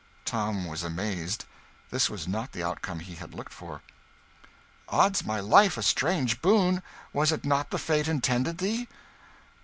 Tom was amazed. This was not the outcome he had looked for. "Odds my life, a strange boon! Was it not the fate intended thee?"